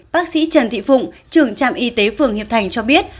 bác sĩ trần thị phụng trưởng trạm y tế phường hiệp thành cho biết